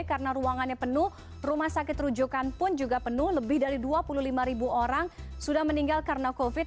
karena ruangannya penuh rumah sakit terujukan pun juga penuh lebih dari dua puluh lima orang sudah meninggal karena covid sembilan belas